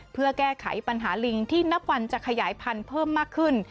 เพื่อแก้ไขปัญหาลิงที่นับวันจะขยายพันธุ์เพิ่มมากขึ้น